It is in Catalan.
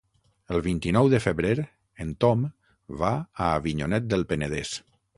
El vint-i-nou de febrer en Tom va a Avinyonet del Penedès.